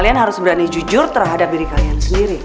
jangan semberani jujur terhadap diri kalian sendiri